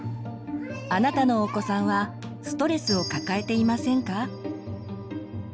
あなたのお子さんはストレスを抱えていませんか？